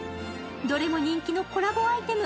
どれも人気のコラボアイテム。